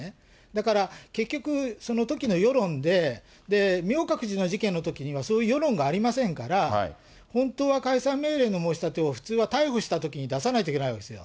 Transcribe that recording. だから結局、そのときの世論で、明覚寺の事件のときにはそういう世論がありませんから、本当は解散命令の申し立てを普通は逮捕したときに出さないといけないわけです。